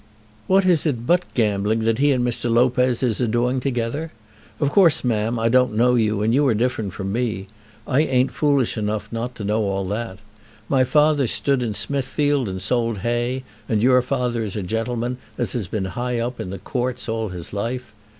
"What is it but gambling that he and Mr. Lopez is a doing together? Of course, ma'am, I don't know you, and you are different from me. I ain't foolish enough not to know all that. My father stood in Smithfield and sold hay, and your father is a gentleman as has been high up in the Courts all his life.